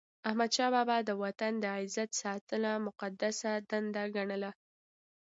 احمدشاه بابا د وطن د عزت ساتنه مقدسه دنده ګڼله.